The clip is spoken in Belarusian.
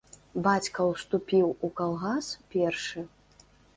Бацька ўступіў у калгас першы.